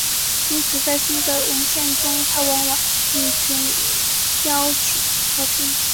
因此在新的文献中它往往与隼雕属合并。